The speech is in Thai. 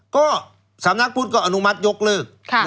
ก็สำนักพุทธก็อนุมัติยกเลิก